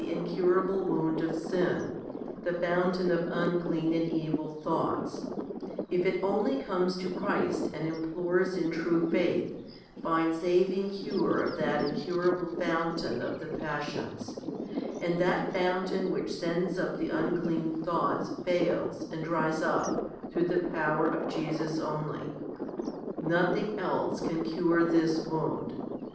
HOMILY XX 165 incurable wound of sin, the fountain of unclean and evil thoughts, if it only comes to Christ and implores in true faith, finds saving cure of that incurable fountain of the passions, and that fountain which sends up the unclean thoughts fails and dries up through the power of Jesus only ; nothing else can cure this wound.